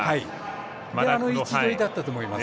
あの位置取りだったと思います。